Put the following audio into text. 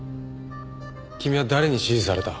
君は誰に指示された？